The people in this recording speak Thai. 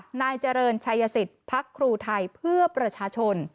นายเจริญชัยสิทธิ์พักครูไทยเพื่อประชาชน